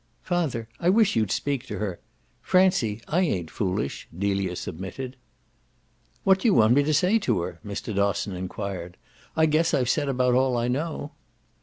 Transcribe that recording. "Father, I wish you'd speak to her. Francie, I ain't foolish," Delia submitted. "What do you want me to say to her?" Mr. Dosson enquired. "I guess I've said about all I know."